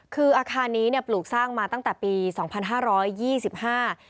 คืออาคารนี้เนี้ยปลูกสร้างมาตั้งแต่ปีสองพันห้าร้อยยี่สิบห้า